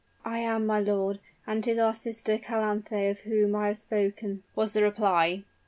"I am, my lord and 'tis our sister Calanthe of whom I have spoken," was the reply.